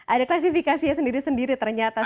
ada klasifikasinya sendiri sendiri ternyata